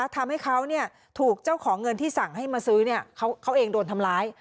ทำให้เขาถูกเจ้าของเงินที่สั่งให้มาซื้อเขาเองโดนทำร้าย